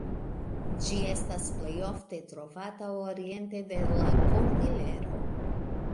Ĝi estas plej ofte trovata oriente de la Kordilero.